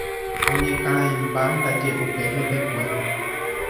Oñekarãimba ndaje upe hetekue.